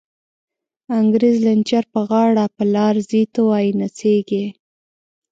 انگریزی لنچر په غاړه، په لار ځی ته وایی نڅیږی